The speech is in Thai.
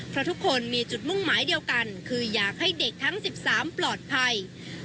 เพราะทุกคนมีจุดมุ่งหมายเดียวกันคืออยากให้เด็กทั้ง๑๓ปลอดภัย